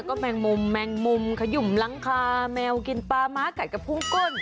ก็แมงมุมขยุมรังคาแมวกินปลาม้าไก่กระพรุงกุ่น